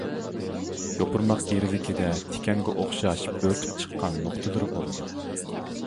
يوپۇرماق گىرۋىكىدە تىكەنگە ئوخشاش بۆرتۈپ چىققان نۇقتىلىرى بولىدۇ.